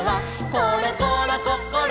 「ころころこころ